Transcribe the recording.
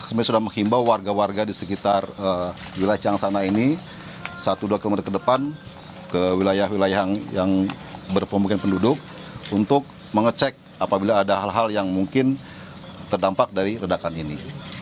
dan kami sudah menghimbau warga warga di sekitar wilayah ciansana ini satu dua km ke depan ke wilayah wilayah yang berpemungkin penduduk untuk mengecek apabila ada hal hal yang mungkin terdampak dari redakan ini